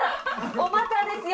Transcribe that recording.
おまたですよ